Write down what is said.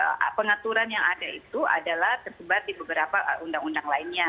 nah pengaturan yang ada itu adalah tersebar di beberapa undang undang lainnya